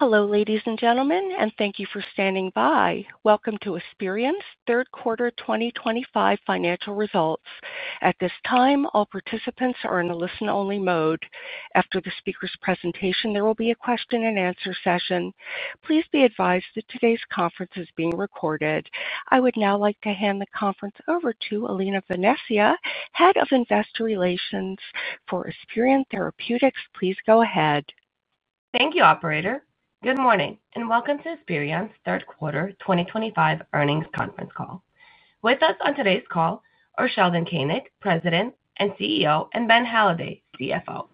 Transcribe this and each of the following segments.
Hello, ladies and gentlemen, and thank you for standing by. Welcome to Esperion's Third Quarter 2025 Financial Results. At this time, all participants are in a listen-only mode. After the speaker's presentation, there will be a question-and-answer session. Please be advised that today's conference is being recorded. I would now like to hand the conference over to Alina Venezia, Head of Investor Relations for Esperion Therapeutics. Please go ahead. Thank you, Operator. Good morning and welcome to Esperion's third quarter 2025 Earnings Conference Call. With us on today's call are Sheldon Koenig, President and CEO, and Ben Halladay, CFO.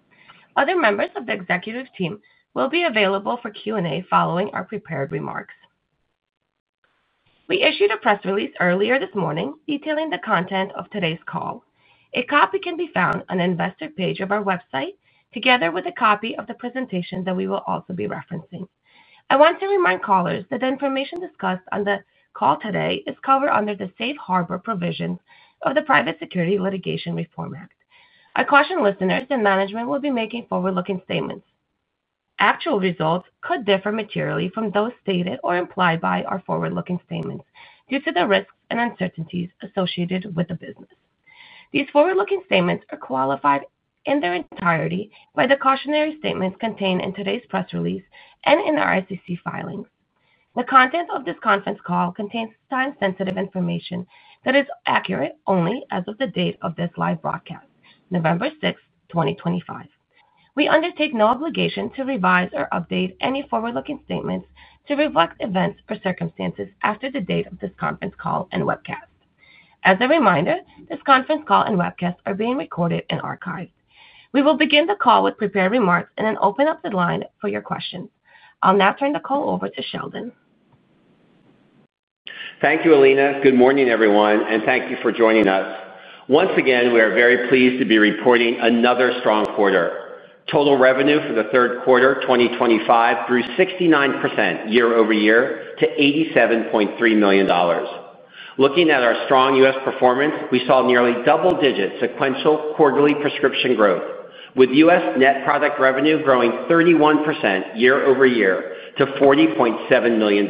Other members of the executive team will be available for Q&A following our prepared remarks. We issued a press release earlier this morning detailing the content of today's call. A copy can be found on the investor page of our website, together with a copy of the presentation that we will also be referencing. I want to remind callers that the information discussed on the call today is covered under the safe harbor provisions of the Private Securities Litigation Reform Act. I caution listeners that management will be making forward-looking statements. Actual results could differ materially from those stated or implied by our forward-looking statements due to the risks and uncertainties associated with the business. These forward-looking statements are qualified in their entirety by the cautionary statements contained in today's press release and in our SEC filings. The content of this conference call contains time-sensitive information that is accurate only as of the date of this live broadcast, November 6, 2025. We undertake no obligation to revise or update any forward-looking statements to reflect events or circumstances after the date of this conference call and webcast. As a reminder, this conference call and webcast are being recorded and archived. We will begin the call with prepared remarks and then open up the line for your questions. I'll now turn the call over to Sheldon. Thank you, Alina. Good morning, everyone, and thank you for joining us. Once again, we are very pleased to be reporting another strong quarter. Total revenue for the third quarter 2025 grew 69% year-over-year to $87.3 million. Looking at our strong U.S. performance, we saw nearly double-digit sequential quarterly prescription growth, with U.S. net product revenue growing 31% year-over-year to $40.7 million.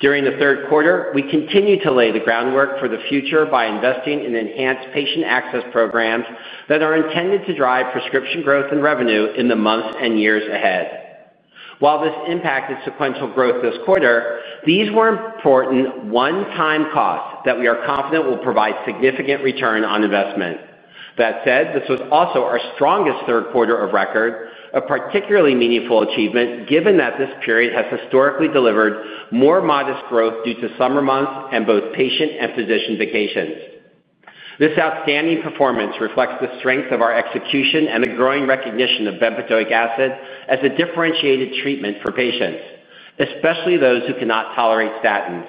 During the third quarter, we continue to lay the groundwork for the future by investing in enhanced patient access programs that are intended to drive prescription growth and revenue in the months and years ahead. While this impacted sequential growth this quarter, these were important one-time costs that we are confident will provide significant return on investment. That said, this was also our strongest third quarter of record, a particularly meaningful achievement given that this period has historically delivered more modest growth due to summer months and both patient and physician vacations. This outstanding performance reflects the strength of our execution and the growing recognition of bempedoic acid as a differentiated treatment for patients, especially those who cannot tolerate statins.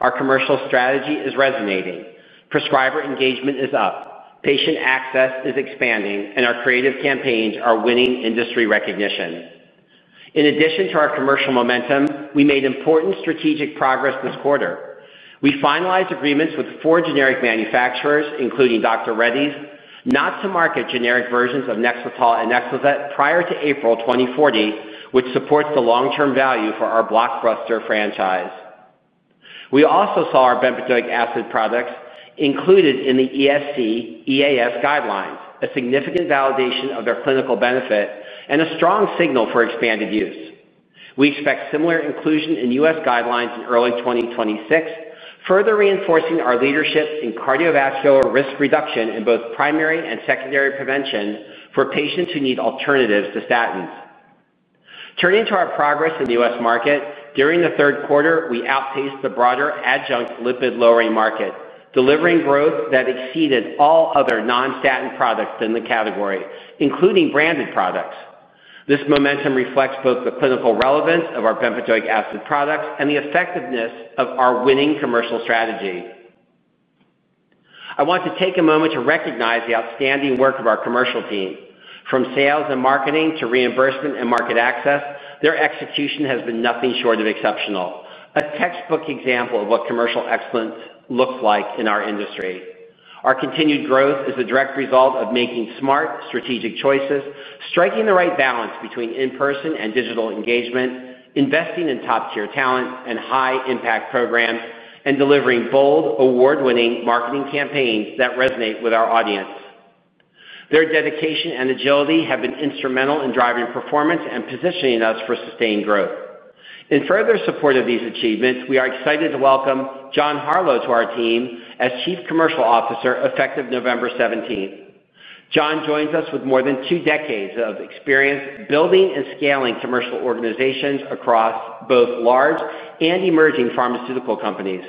Our commercial strategy is resonating. Prescriber engagement is up, patient access is expanding, and our creative campaigns are winning industry recognition. In addition to our commercial momentum, we made important strategic progress this quarter. We finalized agreements with four generic manufacturers, including Dr. Reddy's, not to market generic versions of Nexletol and Nexlizet prior to April 2040, which supports the long-term value for our blockbuster franchise. We also saw our bempedoic acid products included in the ESC/EAS guidelines, a significant validation of their clinical benefit, and a strong signal for expanded use. We expect similar inclusion in U.S. guidelines in early 2026, further reinforcing our leadership in cardiovascular risk reduction in both primary and secondary prevention for patients who need alternatives to statins. Turning to our progress in the U.S. market, during the third quarter, we outpaced the broader adjunct lipid-lowering market, delivering growth that exceeded all other non-statin products in the category, including branded products. This momentum reflects both the clinical relevance of our bempedoic acid products and the effectiveness of our winning commercial strategy. I want to take a moment to recognize the outstanding work of our commercial team. From sales and marketing to reimbursement and market access, their execution has been nothing short of exceptional, a textbook example of what commercial excellence looks like in our industry. Our continued growth is a direct result of making smart, strategic choices, striking the right balance between in-person and digital engagement, investing in top-tier talent and high-impact programs, and delivering bold, award-winning marketing campaigns that resonate with our audience. Their dedication and agility have been instrumental in driving performance and positioning us for sustained growth. In further support of these achievements, we are excited to welcome John Harlow to our team as Chief Commercial Officer effective November 17th. John joins us with more than two decades of experience building and scaling commercial organizations across both large and emerging pharmaceutical companies.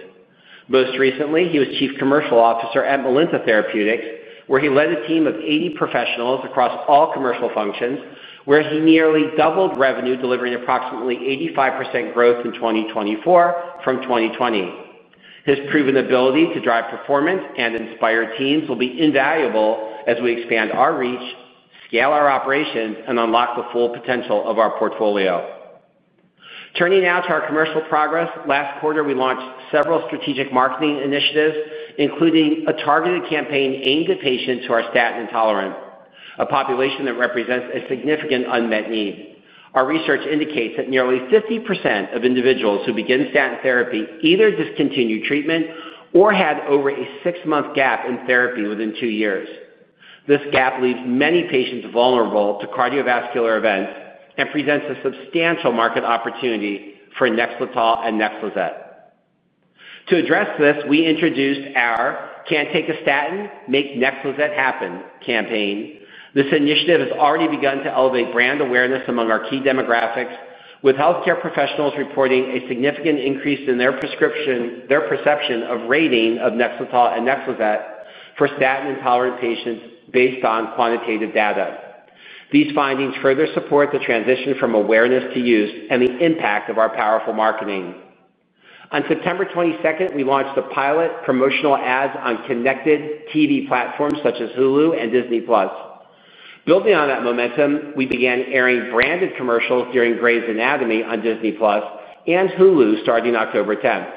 Most recently, he was Chief Commercial Officer at Melinda Therapeutics, where he led a team of 80 professionals across all commercial functions, where he nearly doubled revenue, delivering approximately 85% growth in 2024 from 2020. His proven ability to drive performance and inspire teams will be invaluable as we expand our reach, scale our operations, and unlock the full potential of our portfolio. Turning now to our commercial progress, last quarter we launched several strategic marketing initiatives, including a targeted campaign aimed at patients who are statin intolerant, a population that represents a significant unmet need. Our research indicates that nearly 50% of individuals who begin statin therapy either discontinue treatment or had over a six-month gap in therapy within two years. This gap leaves many patients vulnerable to cardiovascular events and presents a substantial market opportunity for Nexletol and Nexlizet. To address this, we introduced our "Can't Take a Statin? Make Nexletol Happen" campaign. This initiative has already begun to elevate brand awareness among our key demographics, with healthcare professionals reporting a significant increase in their perception of rating of Nexletol and Nexlizet for statin-intolerant patients based on quantitative data. These findings further support the transition from awareness to use and the impact of our powerful marketing. On September 22, we launched a pilot promotional ads on connected TV platforms such as Hulu and Disney+. Building on that momentum, we began airing branded commercials during Grey's Anatomy on Disney+ and Hulu starting October 10.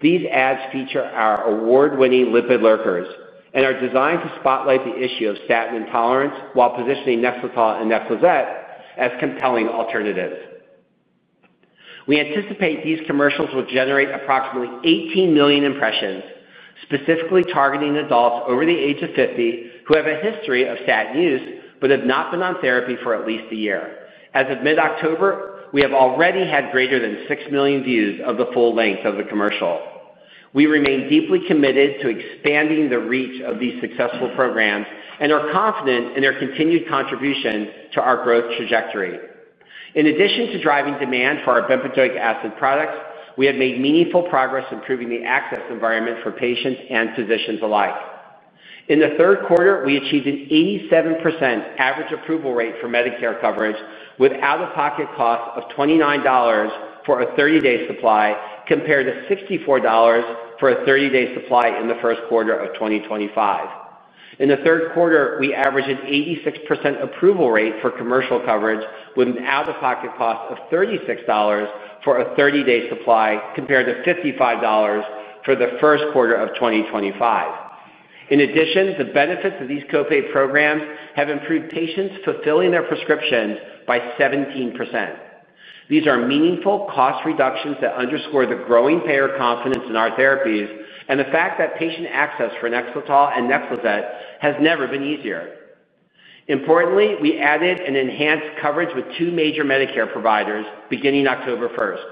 These ads feature our award-winning lipid lurkers and are designed to spotlight the issue of statin intolerance while positioning Nexletol and Nexlizet as compelling alternatives. We anticipate these commercials will generate approximately 18 million impressions, specifically targeting adults over the age of 50 who have a history of statin use but have not been on therapy for at least a year. As of mid-October, we have already had greater than 6 million views of the full length of the commercial. We remain deeply committed to expanding the reach of these successful programs and are confident in their continued contribution to our growth trajectory. In addition to driving demand for our bempedoic acid products, we have made meaningful progress improving the access environment for patients and physicians alike. In the third quarter, we achieved an 87% average approval rate for Medicare coverage with out-of-pocket cost of $29 for a 30-day supply, compared to $64 for a 30-day supply in the first quarter of 2025. In the third quarter, we averaged an 86% approval rate for commercial coverage with an out-of-pocket cost of $36 for a 30-day supply, compared to $55 for the first quarter of 2025. In addition, the benefits of these copay programs have improved patients fulfilling their prescriptions by 17%. These are meaningful cost reductions that underscore the growing payer confidence in our therapies and the fact that patient access for Nexletol and Nexlizet has never been easier. Importantly, we added and enhanced coverage with two major Medicare providers beginning October 1st.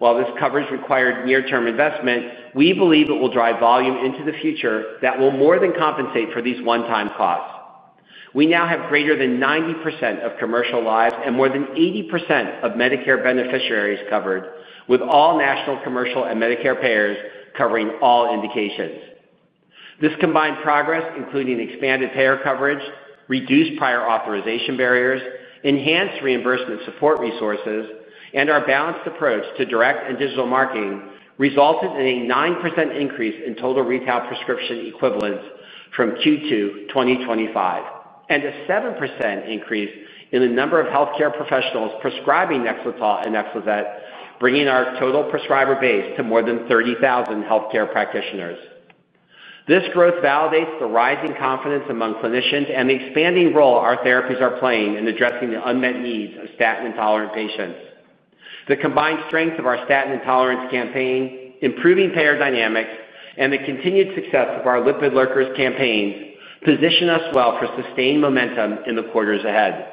While this coverage required near-term investment, we believe it will drive volume into the future that will more than compensate for these one-time costs. We now have greater than 90% of commercial lives and more than 80% of Medicare beneficiaries covered, with all national commercial and Medicare payers covering all indications. This combined progress, including expanded payer coverage, reduced prior authorization barriers, enhanced reimbursement support resources, and our balanced approach to direct and digital marketing, resulted in a 9% increase in total retail prescription equivalents from Q2 2025 and a 7% increase in the number of healthcare professionals prescribing Nexletol and Nexlizet, bringing our total prescriber base to more than 30,000 healthcare practitioners. This growth validates the rising confidence among clinicians and the expanding role our therapies are playing in addressing the unmet needs of statin-intolerant patients. The combined strength of our statin intolerance campaign, improving payer dynamics, and the continued success of our lipid lurkers campaigns position us well for sustained momentum in the quarters ahead.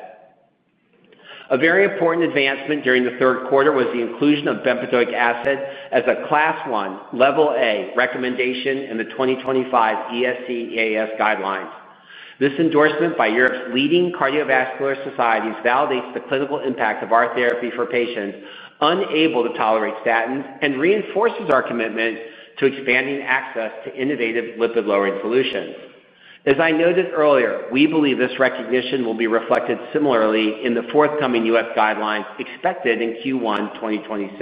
A very important advancement during the third quarter was the inclusion of bempedoic acid as a Class One, Level A recommendation in the 2025 ESC/EAS guidelines. This endorsement by Europe's leading cardiovascular societies validates the clinical impact of our therapy for patients unable to tolerate statins and reinforces our commitment to expanding access to innovative lipid-lowering solutions. As I noted earlier, we believe this recognition will be reflected similarly in the forthcoming U.S. Guidelines expected in Q1 2026.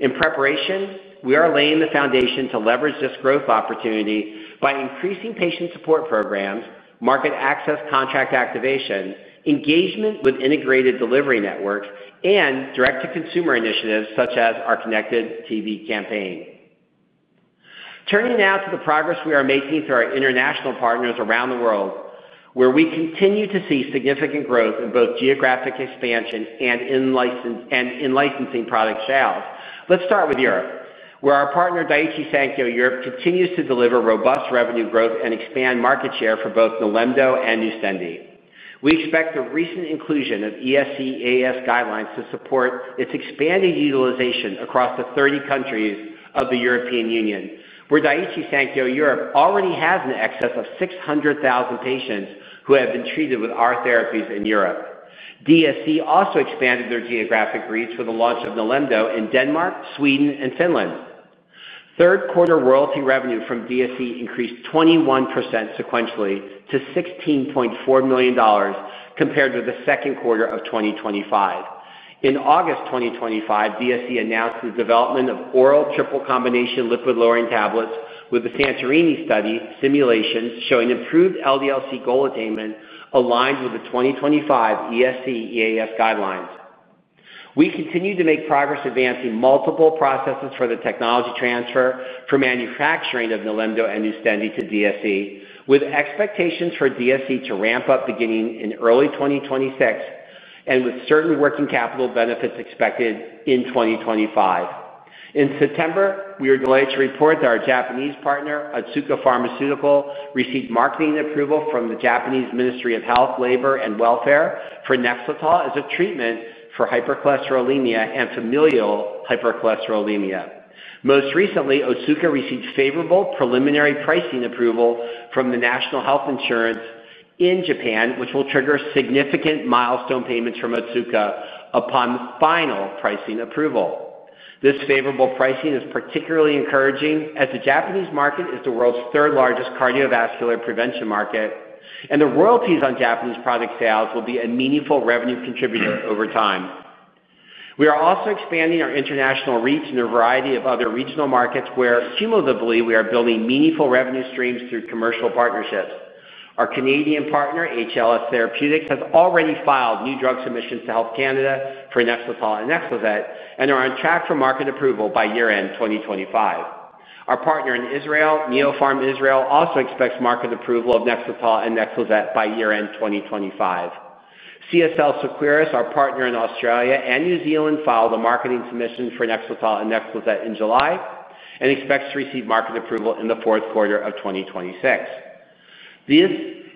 In preparation, we are laying the foundation to leverage this growth opportunity by increasing patient support programs, market access contract activation, engagement with integrated delivery networks, and direct-to-consumer initiatives such as our connected TV campaign. Turning now to the progress we are making through our international partners around the world, where we continue to see significant growth in both geographic expansion and in licensing product sales. Let's start with Europe, where our partner Daiichi Sankyo Europe continues to deliver robust revenue growth and expand market share for both Nilemdo and Nustendi. We expect the recent inclusion of ESC/EAS Guidelines to support its expanded utilization across the 30 countries of the European Union, where Daiichi Sankyo Europe already has an excess of 600,000 patients who have been treated with our therapies in Europe. Daiichi Sankyo Europe also expanded their geographic reach with the launch of Nilemdo in Denmark, Sweden, and Finland. Third-quarter royalty revenue from Daiichi Sankyo Europe increased 21% sequentially to $16.4 million compared with the second quarter of 2025. In August 2025, Daiichi Sankyo Europe announced the development of oral triple combination lipid-lowering tablets with the Santorini study simulations showing improved LDL-C goal attainment aligned with the 2025 ESC/EAS Guidelines. We continue to make progress advancing multiple processes for the technology transfer for manufacturing of Nilemdo and Nustendi to Daiichi Sankyo Europe, with expectations for Daiichi Sankyo Europe to ramp up beginning in early 2026 and with certain working capital benefits expected in 2025. In September, we were delighted to report that our Japanese partner, Otsuka Pharmaceutical, received marketing approval from the Japanese Ministry of Health, Labor, and Welfare for Nexletol as a treatment for hypercholesterolemia and familial hypercholesterolemia. Most recently, Otsuka received favorable preliminary pricing approval from the National Health Insurance in Japan, which will trigger significant milestone payments from Otsuka upon the final pricing approval. This favorable pricing is particularly encouraging as the Japanese market is the world's third-largest cardiovascular prevention market, and the royalties on Japanese product sales will be a meaningful revenue contributor over time. We are also expanding our international reach in a variety of other regional markets where cumulatively we are building meaningful revenue streams through commercial partnerships. Our Canadian partner, HLS Therapeutics, has already filed new drug submissions to Health Canada for Nexletol and Nexlizet and are on track for market approval by year-end 2025. Our partner in Israel, Neopharm Israel, also expects market approval of Nexletol and Nexlizet by year-end 2025. CSL Seqirus, our partner in Australia and New Zealand, filed a marketing submission for Nexletol and Nexlizet in July and expects to receive market approval in the fourth quarter of 2026. This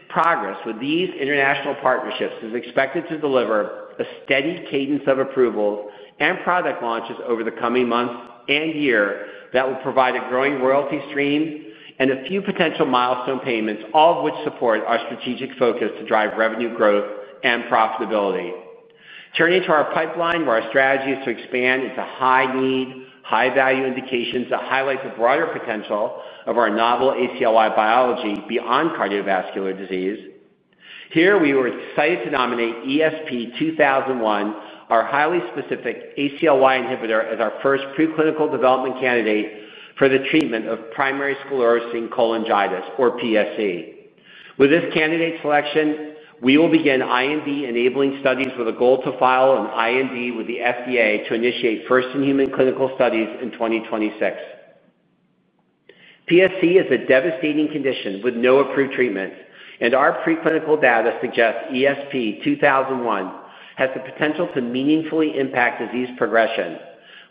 progress with these international partnerships is expected to deliver a steady cadence of approvals and product launches over the coming month and year that will provide a growing royalty stream and a few potential milestone payments, all of which support our strategic focus to drive revenue growth and profitability. Turning to our pipeline, where our strategy is to expand into high-need, high-value indications that highlight the broader potential of our novel ACLY biology beyond cardiovascular disease, here we were excited to nominate ESP2001, our highly specific ACLY inhibitor, as our first preclinical development candidate for the treatment of primary sclerosing cholangitis, or PSC. With this candidate selection, we will begin IND-enabling studies with a goal to file an IND with the FDA to initiate first-in-human clinical studies in 2026. PSC is a devastating condition with no approved treatments, and our preclinical data suggests ESP2001 has the potential to meaningfully impact disease progression.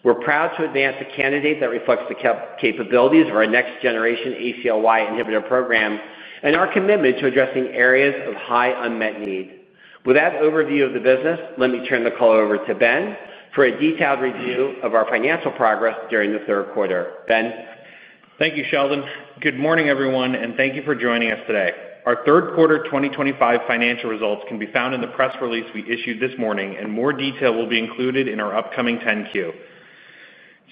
We're proud to advance a candidate that reflects the capabilities of our next-generation ACLY inhibitor program and our commitment to addressing areas of high unmet need. With that overview of the business, let me turn the call over to Ben for a detailed review of our financial progress during the third quarter. Ben. Thank you, Sheldon. Good morning, everyone, and thank you for joining us today. Our third-quarter 2025 financial results can be found in the press release we issued this morning, and more detail will be included in our upcoming 10-Q.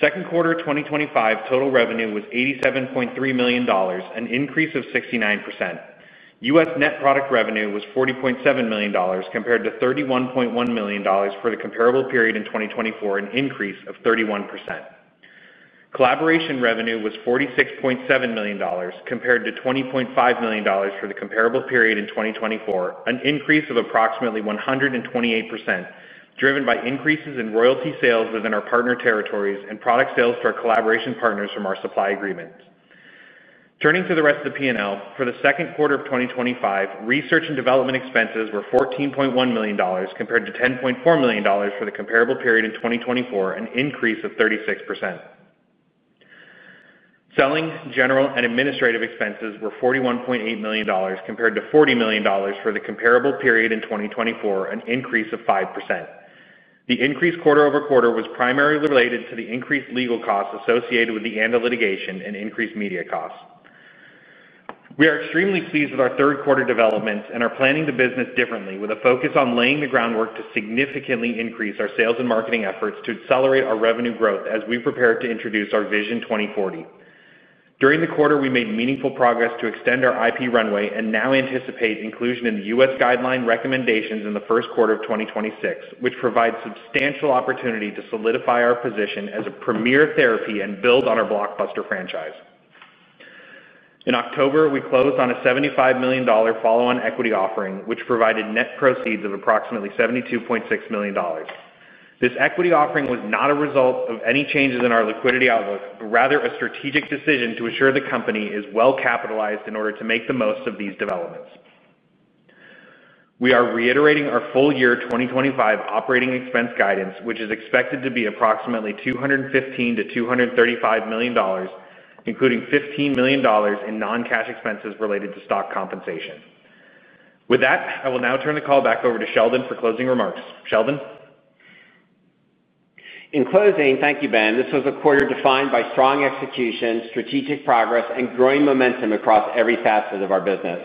Second quarter 2025 total revenue was $87.3 million, an increase of 69%. U.S. net product revenue was $40.7 million, compared to $31.1 million for the comparable period in 2024, an increase of 31%. Collaboration revenue was $46.7 million, compared to $20.5 million for the comparable period in 2024, an increase of approximately 128%, driven by increases in royalty sales within our partner territories and product sales to our collaboration partners from our supply agreements. Turning to the rest of the P&L, for the second quarter of 2025, research and development expenses were $14.1 million, compared to $10.4 million for the comparable period in 2024, an increase of 36%. Selling, general, and administrative expenses were $41.8 million, compared to $40 million for the comparable period in 2024, an increase of 5%. The increase quarter-over-quarter was primarily related to the increased legal costs associated with the end of litigation and increased media costs. We are extremely pleased with our third-quarter developments and are planning the business differently, with a focus on laying the groundwork to significantly increase our sales and marketing efforts to accelerate our revenue growth as we prepare to introduce our Vision 2040. During the quarter, we made meaningful progress to extend our IP runway and now anticipate inclusion in the U.S. Guideline recommendations in the first quarter of 2026, which provides substantial opportunity to solidify our position as a premier therapy and build on our blockbuster franchise. In October, we closed on a $75 million follow-on equity offering, which provided net proceeds of approximately $72.6 million. This equity offering was not a result of any changes in our liquidity outlook, but rather a strategic decision to ensure the company is well capitalized in order to make the most of these developments. We are reiterating our full year 2025 operating expense guidance, which is expected to be approximately $215–$235 million, including $15 million in non-cash expenses related to stock compensation. With that, I will now turn the call back over to Sheldon for closing remarks. Sheldon. In closing, thank you, Ben. This was a quarter defined by strong execution, strategic progress, and growing momentum across every facet of our business.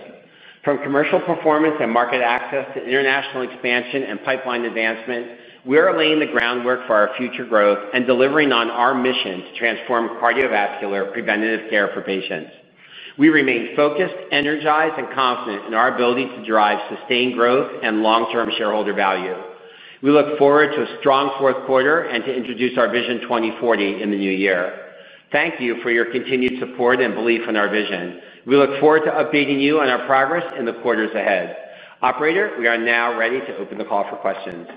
From commercial performance and market access to international expansion and pipeline advancement, we are laying the groundwork for our future growth and delivering on our mission to transform cardiovascular preventative care for patients. We remain focused, energized, and confident in our ability to drive sustained growth and long-term shareholder value. We look forward to a strong fourth quarter and to introduce our Vision 2040 in the new year. Thank you for your continued support and belief in our vision. We look forward to updating you on our progress in the quarters ahead. Operator, we are now ready to open the call for questions.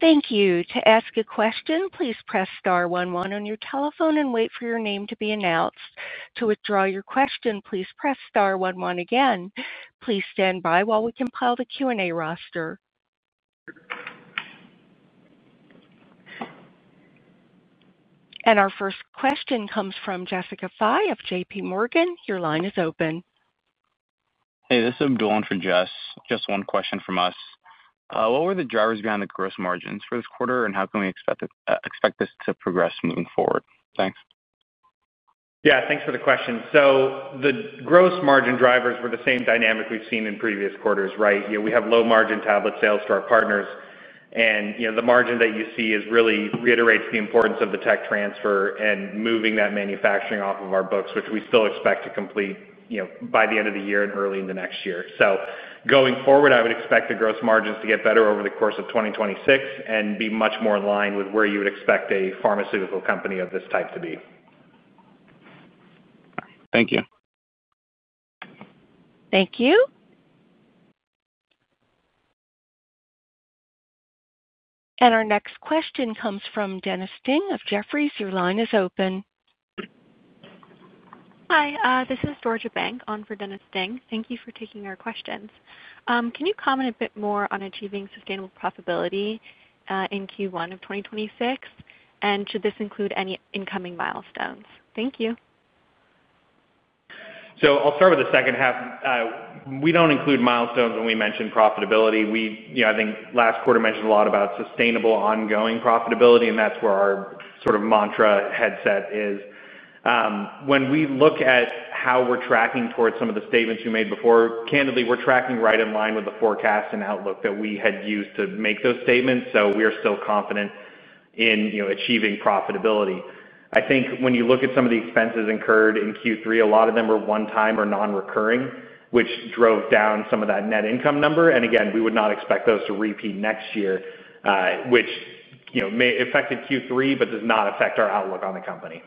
Thank you. To ask a question, please press star one one on your telephone and wait for your name to be announced. To withdraw your question, please press star one one again. Please stand by while we compile the Q&A roster. Our first question comes from Jessica Fai of JP Morgan. Your line is open. Hey, this is Abdullan from Jess. Just one question from us. What were the drivers behind the gross margins for this quarter, and how can we expect this to progress moving forward? Thanks. Yeah, thanks for the question. The gross margin drivers were the same dynamic we've seen in previous quarters, right? We have low-margin tablet sales to our partners, and the margin that you see really reiterates the importance of the tech transfer and moving that manufacturing off of our books, which we still expect to complete by the end of the year and early in the next year. Going forward, I would expect the gross margins to get better over the course of 2026 and be much more in line with where you would expect a pharmaceutical company of this type to be. Thank you. Thank you. Our next question comes from Dennis Ding of Jefferies. Your line is open. Hi, this is Georgia Bank on for Dennis Ding. Thank you for taking our questions. Can you comment a bit more on achieving sustainable profitability in Q1 of 2026, and should this include any incoming milestones? Thank you. I'll start with the second half. We do not include milestones when we mention profitability. I think last quarter mentioned a lot about sustainable ongoing profitability, and that is where our sort of mantra headset is. When we look at how we're tracking towards some of the statements we made before, candidly, we're tracking right in line with the forecast and outlook that we had used to make those statements, so we are still confident in achieving profitability. I think when you look at some of the expenses incurred in Q3, a lot of them were one-time or non-recurring, which drove down some of that net income number. Again, we would not expect those to repeat next year, which may affect Q3 but does not affect our outlook on the company.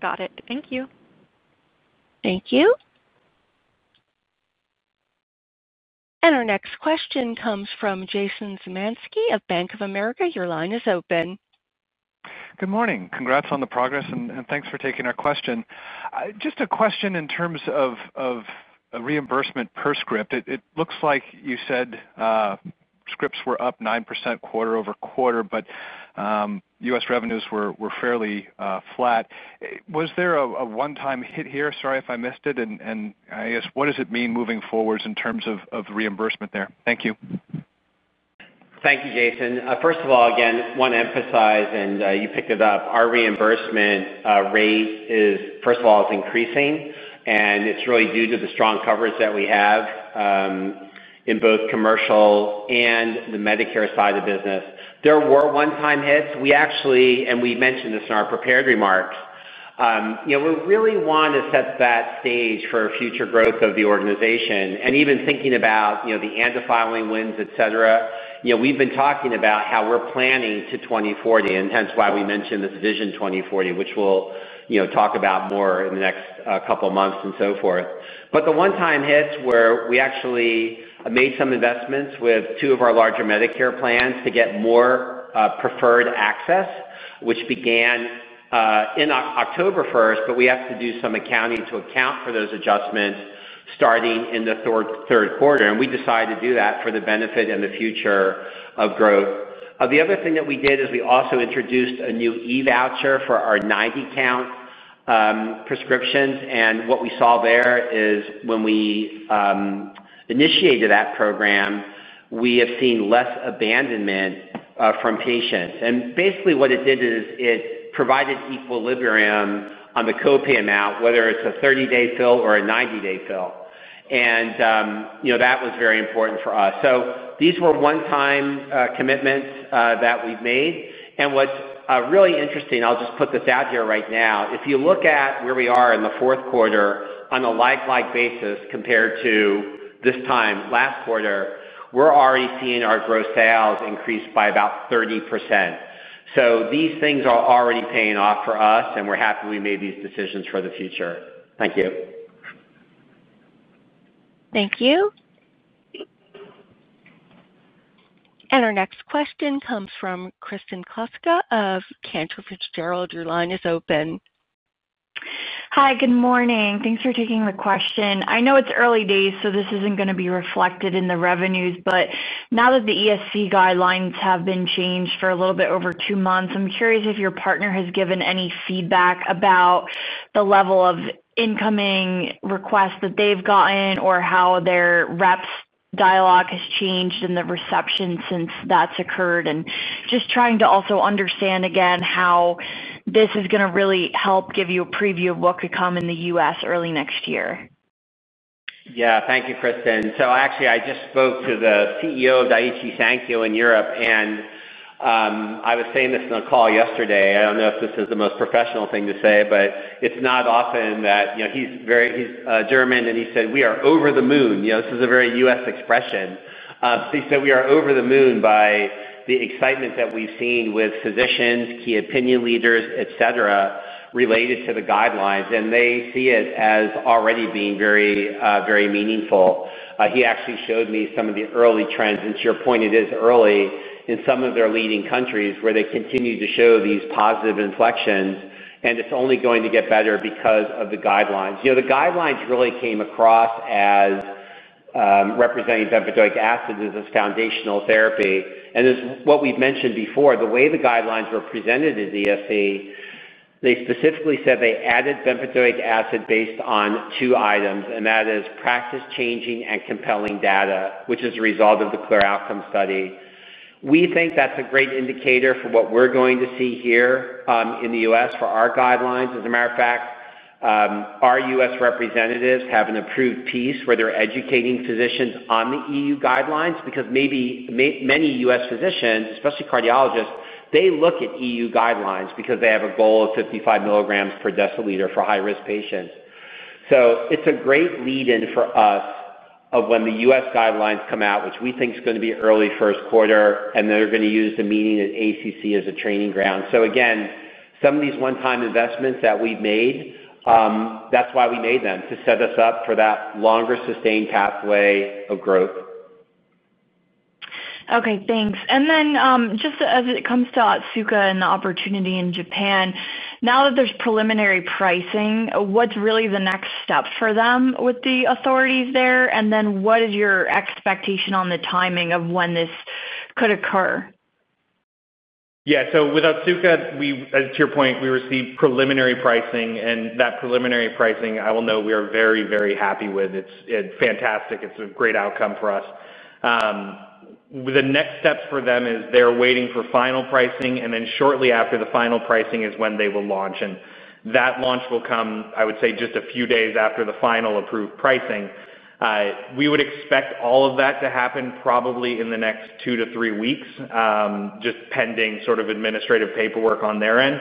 Got it. Thank you. Thank you. Our next question comes from Jason Zemanski of Bank of America. Your line is open. Good morning. Congrats on the progress, and thanks for taking our question. Just a question in terms of reimbursement per script. It looks like you said. Scripts were up 9% quarter-over-quarter, but U.S. revenues were fairly flat. Was there a one-time hit here? Sorry if I missed it. I guess, what does it mean moving forward in terms of reimbursement there? Thank you. Thank you, Jason. First of all, again, I want to emphasize, and you picked it up, our reimbursement rate is, first of all, increasing, and it's really due to the strong coverage that we have in both commercial and the Medicare side of business. There were one-time hits. We actually—and we mentioned this in our prepared remarks—really want to set that stage for future growth of the organization. Even thinking about the antifiling wins, etc., we've been talking about how we're planning to 2040, and hence why we mentioned this Vision 2040, which we'll talk about more in the next couple of months and so forth. The one-time hits where we actually made some investments with two of our larger Medicare plans to get more preferred access, which began in October first, but we have to do some accounting to account for those adjustments starting in the third quarter. We decided to do that for the benefit and the future of growth. The other thing that we did is we also introduced a new e-voucher for our 90-count prescriptions. What we saw there is when we initiated that program, we have seen less abandonment from patients. Basically, what it did is it provided equilibrium on the copay amount, whether it's a 30-day fill or a 90-day fill. That was very important for us. These were one-time commitments that we've made. What's really interesting—I will just put this out here right now—if you look at where we are in the fourth quarter on a like-like basis compared to this time last quarter, we are already seeing our gross sales increase by about 30%. These things are already paying off for us, and we are happy we made these decisions for the future. Thank you. Thank you. Our next question comes from Kristin Kloska of Cantor Futurals. Your line is open. Hi, good morning. Thanks for taking the question. I know it is early days, so this is not going to be reflected in the revenues, but now that the ESC/EAS Guidelines have been changed for a little bit over two months, I am curious if your partner has given any feedback about the level of incoming requests that they have gotten or how their reps' dialogue has changed in the reception since that has occurred. Just trying to also understand, again, how this is going to really help give you a preview of what could come in the U.S. early next year. Yeah, thank you, Kristen. Actually, I just spoke to the CEO of Daiichi Sankyo in Europe, and I was saying this in the call yesterday. I do not know if this is the most professional thing to say, but it is not often that he is German, and he said, "We are over the moon." This is a very U.S. expression. He said, "We are over the moon by the excitement that we have seen with physicians, key opinion leaders, etc., related to the guidelines." They see it as already being very meaningful. He actually showed me some of the early trends. To your point, it is early in some of their leading countries where they continue to show these positive inflections, and it's only going to get better because of the guidelines. The guidelines really came across as representing bempedoic acid as this foundational therapy. As what we've mentioned before, the way the guidelines were presented to the ESC, they specifically said they added bempedoic acid based on two items, and that is practice-changing and compelling data, which is the result of the CLEAR Outcomes study. We think that's a great indicator for what we're going to see here in the U.S. for our guidelines. As a matter of fact, our U.S. representatives have an approved piece where they're educating physicians on the EU Guidelines because maybe many U.S. Physicians, especially cardiologists, they look at EU Guidelines because they have a goal of 55 milligrams per deciliter for high-risk patients. It is a great lead-in for us of when the U.S. Guidelines come out, which we think is going to be early first quarter, and they are going to use the meeting at ACC as a training ground. Again, some of these one-time investments that we have made, that is why we made them, to set us up for that longer sustained pathway of growth. Okay, thanks. As it comes to Otsuka and the opportunity in Japan, now that there is preliminary pricing, what is really the next step for them with the authorities there? What is your expectation on the timing of when this could occur? Yeah, so with Otsuka, to your point, we received preliminary pricing, and that preliminary pricing, I will note we are very, very happy with. It's fantastic. It's a great outcome for us. The next step for them is they're waiting for final pricing, and then shortly after the final pricing is when they will launch. That launch will come, I would say, just a few days after the final approved pricing. We would expect all of that to happen probably in the next two to three weeks, just pending sort of administrative paperwork on their end.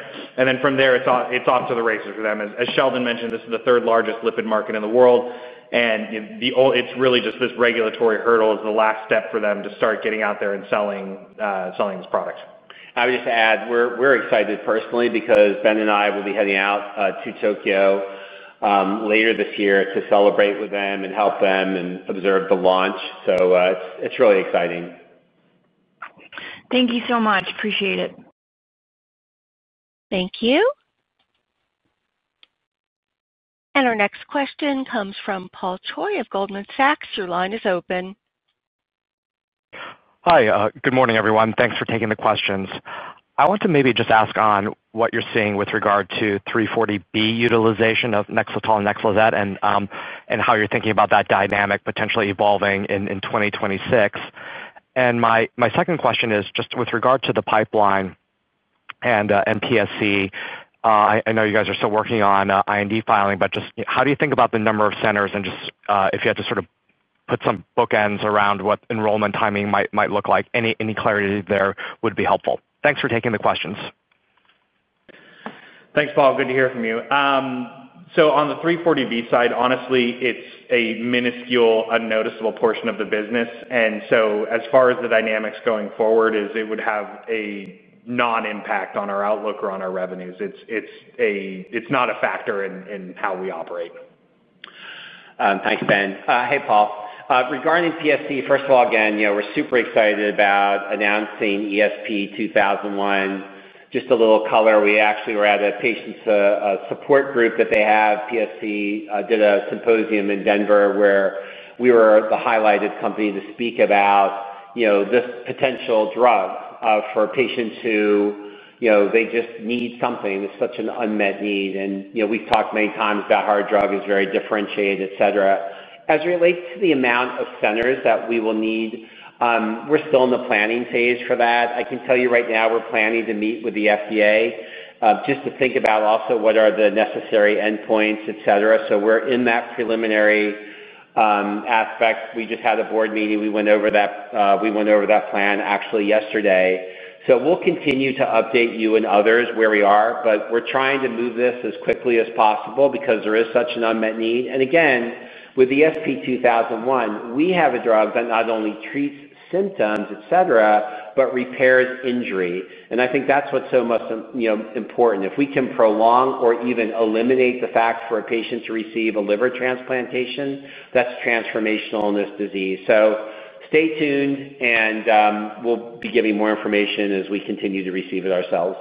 From there, it's off to the races for them. As Sheldon mentioned, this is the third largest lipid market in the world, and it's really just this regulatory hurdle is the last step for them to start getting out there and selling this product. I would just add we're excited personally because Ben and I will be heading out to Tokyo later this year to celebrate with them and help them and observe the launch. It is really exciting. Thank you so much. Appreciate it. Thank you. Our next question comes from Paul Choi of Goldman Sachs. Your line is open. Hi, good morning, everyone. Thanks for taking the questions. I want to maybe just ask on what you're seeing with regard to 340B utilization of Nexletol and Nexlizet and how you're thinking about that dynamic potentially evolving in 2026. My second question is just with regard to the pipeline and PSC. I know you guys are still working on IND filing, but just how do you think about the number of centers and just if you had to sort of put some bookends around what enrollment timing might look like, any clarity there would be helpful. Thanks for taking the questions. Thanks, Paul. Good to hear from you. On the 340B side, honestly, it's a minuscule, unnoticeable portion of the business. As far as the dynamics going forward, it would have a non-impact on our outlook or on our revenues. It's not a factor in how we operate. Thanks, Ben. Hey, Paul. Regarding PSC, first of all, again, we're super excited about announcing ESP2001. Just a little color. We actually were at a patient support group that they have. PSC did a symposium in Denver where we were the highlighted company to speak about. This potential drug for patients who, they just need something. It's such an unmet need. We've talked many times about how our drug is very differentiated, etc. As it relates to the amount of centers that we will need, we're still in the planning phase for that. I can tell you right now we're planning to meet with the FDA just to think about also what are the necessary endpoints, etc. We're in that preliminary aspect. We just had a board meeting. We went over that. We went over that plan actually yesterday. We will continue to update you and others where we are, but we're trying to move this as quickly as possible because there is such an unmet need. Again, with ESP2001, we have a drug that not only treats symptoms, etc., but repairs injury. I think that's what's so important. If we can prolong or even eliminate the fact for a patient to receive a liver transplantation, that's transformational in this disease. Stay tuned, and we'll be giving more information as we continue to receive it ourselves.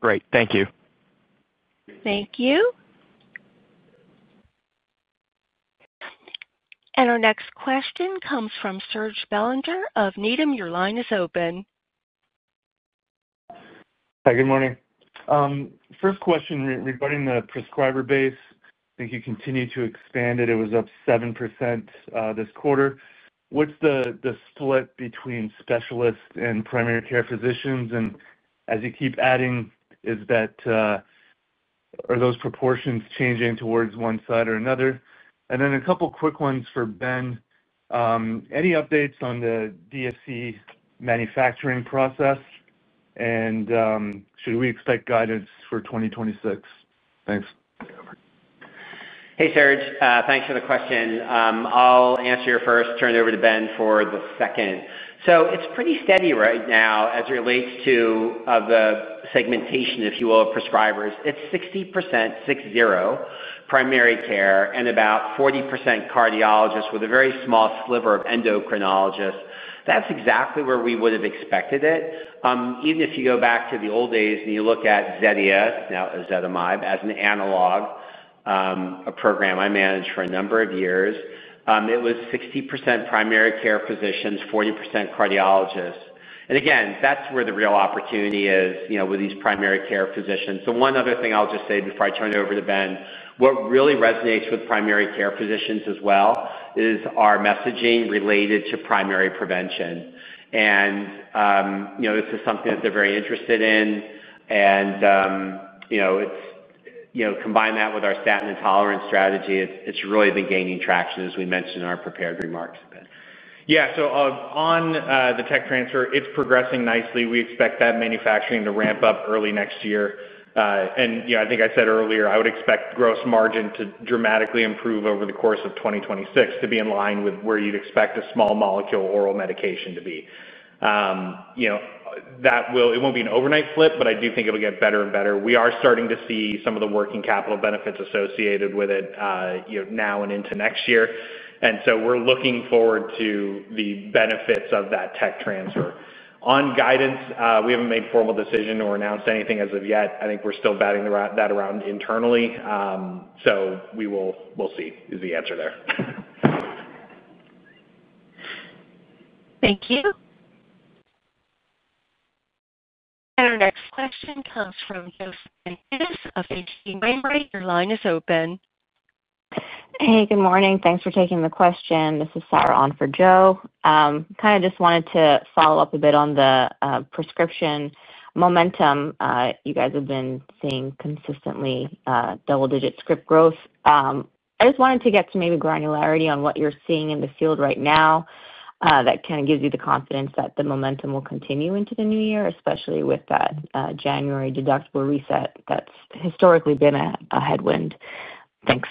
Great. Thank you. Thank you. Our next question comes from Serge Bellinger of Needham. Your line is open. Hi, good morning. First question regarding the prescriber base. I think you continue to expand it. It was up 7% this quarter. What's the split between specialists and primary care physicians? As you keep adding, is that, are those proportions changing towards one side or another? A couple of quick ones for Ben. Any updates on the DSC manufacturing process? Should we expect guidance for 2026? Thanks. Hey, Serge. Thanks for the question. I'll answer your first, turn it over to Ben for the second. It's pretty steady right now as it relates to the segmentation, if you will, of prescribers. It's 60%, six-zero, primary care, and about 40% cardiologists with a very small sliver of endocrinologists. That's exactly where we would have expected it. Even if you go back to the old days and you look at Zetia, now ezetimibe, as an analog. Program I managed for a number of years, it was 60% primary care physicians, 40% cardiologists. Again, that's where the real opportunity is with these primary care physicians. One other thing I'll just say before I turn it over to Ben, what really resonates with primary care physicians as well is our messaging related to primary prevention. This is something that they're very interested in. Combine that with our statin intolerance strategy, it's really been gaining traction, as we mentioned in our prepared remarks. Yeah, so on the tech transfer, it's progressing nicely. We expect that manufacturing to ramp up early next year. I think I said earlier, I would expect gross margin to dramatically improve over the course of 2026 to be in line with where you'd expect a small molecule oral medication to be. It won't be an overnight flip, but I do think it'll get better and better. We are starting to see some of the working capital benefits associated with it now and into next year. We are looking forward to the benefits of that tech transfer. On guidance, we haven't made a formal decision or announced anything as of yet. I think we're still batting that around internally. We'll see is the answer there. Thank you. Our next question comes from Josephine [Hughes] of H.C. Wainwright. Your line is open. Hey, good morning. Thanks for taking the question. This is Sarah on for Joe. Kind of just wanted to follow up a bit on the prescription momentum. You guys have been seeing consistently double-digit script growth. I just wanted to get to maybe granularity on what you're seeing in the field right now. That kind of gives you the confidence that the momentum will continue into the new year, especially with that January deductible reset that's historically been a headwind. Thanks.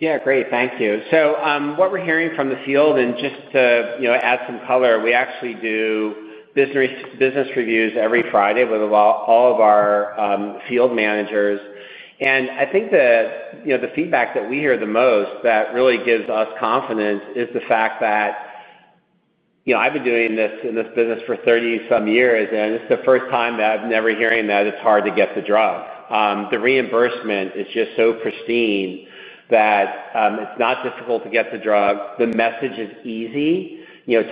Yeah, great. Thank you. What we're hearing from the field, and just to add some color, we actually do business reviews every Friday with all of our field managers. I think the feedback that we hear the most that really gives us confidence is the fact that. I've been doing this in this business for 30-some years, and it's the first time that I've never heard that it's hard to get the drug. The reimbursement is just so pristine that it's not difficult to get the drug. The message is easy.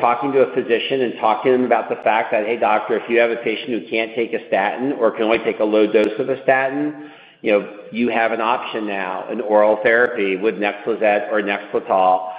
Talking to a physician and talking to them about the fact that, "Hey, doctor, if you have a patient who can't take a statin or can only take a low dose of a statin, you have an option now, an oral therapy with Nexlizet or Nexletol."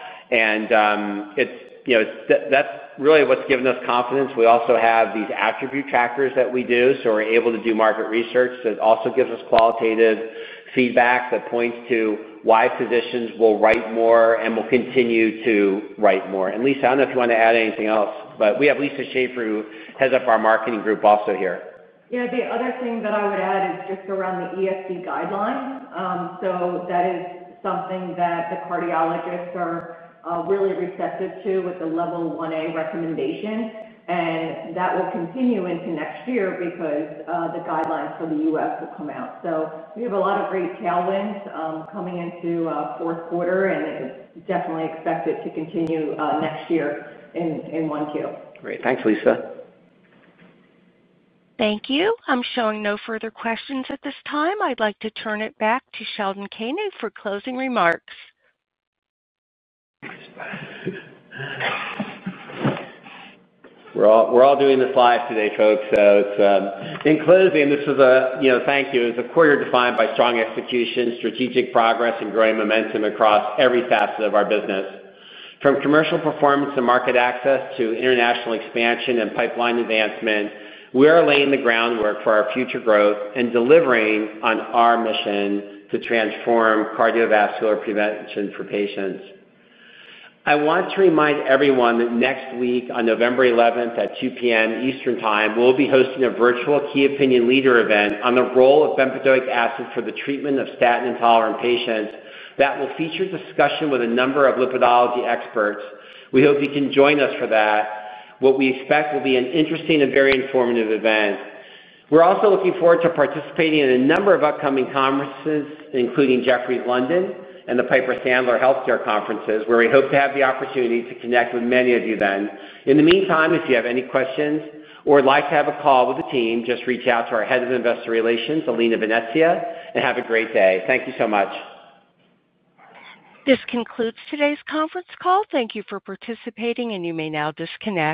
That's really what's given us confidence. We also have these attribute trackers that we do, so we're able to do market research. It also gives us qualitative feedback that points to why physicians will write more and will continue to write more. Lisa, I do not know if you want to add anything else, but we have Lisa Schafer who heads up our marketing group also here. The other thing that I would add is just around the ESC Guidelines. That is something that the cardiologists are really receptive to with the Level 1A recommendation. That will continue into next year because the guidelines for the U.S. will come out. We have a lot of great tailwinds coming into fourth quarter, and it is definitely expected to continue next year. In one year. Great. Thanks, Lisa. Thank you. I am showing no further questions at this time. I would like to turn it back to Sheldon Koenig for closing remarks. We are all doing this live today, folks. In closing, this is a thank you. It's a quarter defined by strong execution, strategic progress, and growing momentum across every facet of our business. From commercial performance and market access to international expansion and pipeline advancement, we are laying the groundwork for our future growth and delivering on our mission to transform cardiovascular prevention for patients. I want to remind everyone that next week on November 11th at 2:00 PM Eastern Time, we'll be hosting a virtual key opinion leader event on the role of bempedoic acid for the treatment of statin-intolerant patients. That will feature discussion with a number of lipidology experts. We hope you can join us for that. What we expect will be an interesting and very informative event. We're also looking forward to participating in a number of upcoming conferences, including Jefferies London and the Piper Sandler Healthcare Conferences, where we hope to have the opportunity to connect with many of you then. In the meantime, if you have any questions or would like to have a call with the team, just reach out to our Head of Investor Relations, Alina Venezia, and have a great day. Thank you so much. This concludes today's conference call. Thank you for participating, and you may now disconnect.